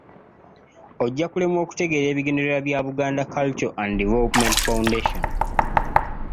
Ojja kulemwa okutegeera ebigendererwa bya Buganda Cultural And Development Foundation.